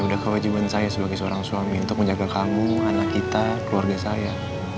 udah kewajiban saya sebagai seorang suami untuk menjaga kamu anak kita keluarga saya